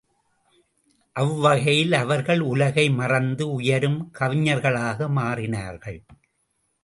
அவ்வகையில் அவர்கள் உலகை மறந்து உயரும் கவிஞர்களாக மாறினார்கள்.